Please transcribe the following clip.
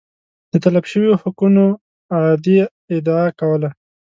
د تلف شویو حقونو اعادې ادعا کوله